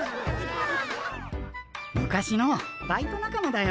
昔のバイト仲間だよ。